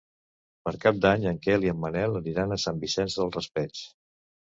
Per Cap d'Any en Quel i en Manel aniran a Sant Vicent del Raspeig.